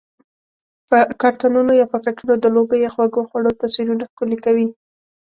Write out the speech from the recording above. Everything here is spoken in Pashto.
په کارتنونو یا پاکټونو د لوبو یا خوږو خوړو تصویرونه ښکلي کوي؟